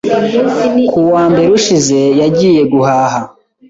Ku wa mbere ushize, yagiye guhaha.